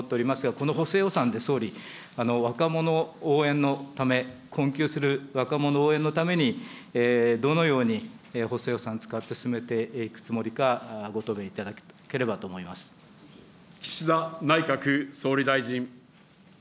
この補正予算で総理、若者応援のため、困窮する若者応援のために、どのように補正予算使って進めていくつもりか、ご答弁いただけれ岸田内閣総理大臣。